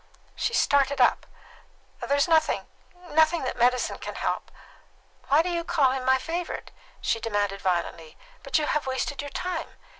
She started up. "There is nothing nothing that medicine can help. Why do you call him my favourite?" she demanded violently. "But you have wasted your time.